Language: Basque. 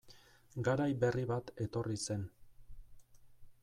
Garai berri bat etorri zen...